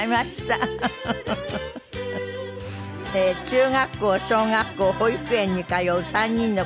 中学校小学校保育園に通う３人の子育て。